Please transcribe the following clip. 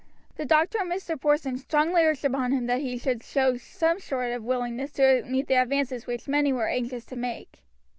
The doctor and Mr. Porson strongly urged upon him that he should show some sort of willingness to meet the advances which many were anxious to make.